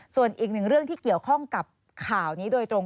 ส่วนอีกหนึ่งเรื่องที่เกี่ยวข้องกับข่าวนี้โดยตรง